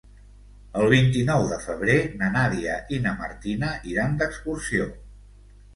El vint-i-nou de febrer na Nàdia i na Martina iran d'excursió.